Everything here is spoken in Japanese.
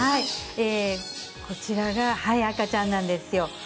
こちらが、赤ちゃんなんですよ。